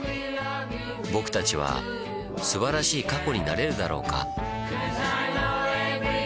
ぼくたちは素晴らしい過去になれるだろうか